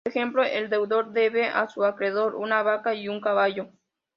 Por ejemplo, el deudor debe a su acreedor una vaca y un caballo.